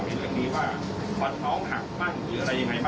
ผู้ที่บอกให้ข่าวในเรื่องนี้ว่า